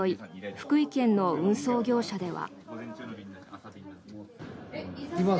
福井県の運送業者では。